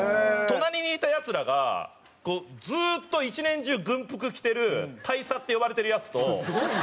隣にいたヤツらがずーっと１年中軍服着てる「大佐」って呼ばれてるヤツと。